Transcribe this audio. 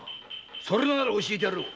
それなら教えてやろう。